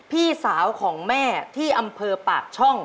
พี่สาวของแม่ที่อำเภอปากช่อง